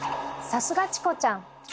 さすがチコちゃん。